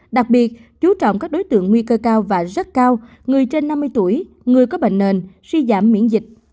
đặc biệt chú trọng các đối tượng nguy cơ cao và rất cao người trên năm mươi tuổi người có bệnh nền suy giảm miễn dịch